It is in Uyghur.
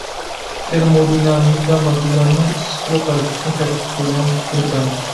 تېرمودىنامىكا — ماددىلارنىڭ ئىسسىقلىق ھەرىكىتىنى تەتقىق قىلىدىغان بىر پەن.